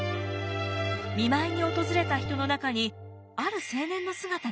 見舞いに訪れた人の中にある青年の姿が。